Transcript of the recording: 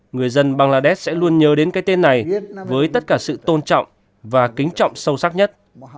người dân bangladesh sẽ luôn nhớ đến cái tên này với tất cả sự tôn trọng và kính trọng sâu sắc nhất